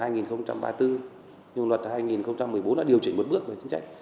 nhưng mà luật hai nghìn một mươi bốn đã điều chỉnh một bước về chính trách